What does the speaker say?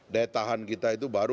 daya tahan kita itu baru